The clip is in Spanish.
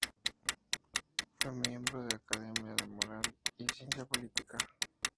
Fue miembro de la Academia de Moral y Ciencia Política.